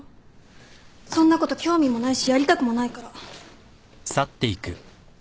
そんなこと興味もないしやりたくもないから。